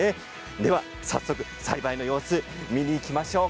では早速、栽培の様子見ていきましょう。